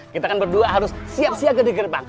kita kan berdua harus siap siap gede gerbang